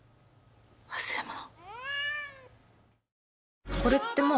忘れ物？